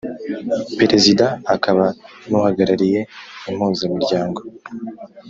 Perezida akaba n’ uhagarariye Impuzamiryango